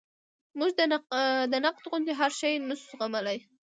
موږ د نقد غوندې هر شی نشو زغملی.